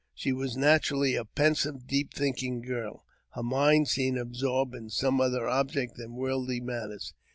She was naturally a pensive, deep thinking girl ; her mind seemed absorbed in some other object than worldly matters.